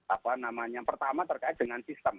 apa namanya pertama terkait dengan sistem